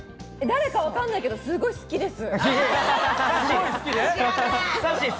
誰かわかんないけど、すごい好きです。